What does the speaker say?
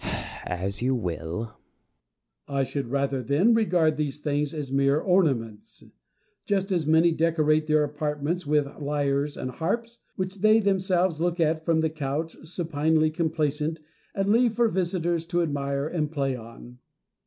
Plato. As you will. Diogenes. I should rather, then, regard these things as mere ornaments ; just as many decorate their apartments with lyres and harps, which they themselves look at from the couch, supinely complacent, and leave for visitors to admire and play on.